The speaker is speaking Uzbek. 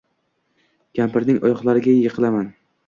kampirning oyoqlariga yiqilaman.